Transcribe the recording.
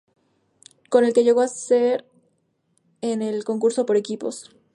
Con el que llegó a ser en el concurso por equipos.